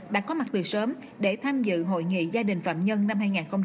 đã có mặt từ sớm để tham dự hội nghị gia đình phạm nhân năm hai nghìn hai mươi bốn